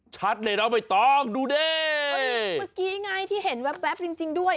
ชัดเลยนะไม่ต้องดูนี่เมื่อกี้ไงที่เห็นแบบจริงด้วย